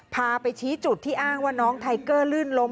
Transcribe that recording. พาไปชี้จุดที่อ้างว่าน้องไทเกอร์ลื่นล้ม